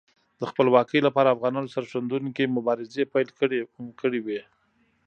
د خپلواکۍ لپاره افغانانو سرښندونکې مبارزه پیل کړې وه.